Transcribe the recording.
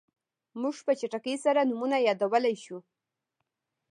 موږ په چټکۍ سره نومونه یادولی شو.